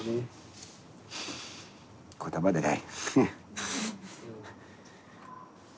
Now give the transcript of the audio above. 言葉出ない。